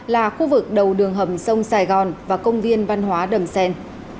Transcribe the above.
là khu vực đầu đường hầm sông sài gòn và công viên văn hóa đầm xen